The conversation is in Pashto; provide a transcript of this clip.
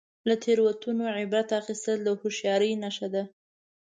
• له تیروتنو عبرت اخیستل د هوښیارۍ نښه ده.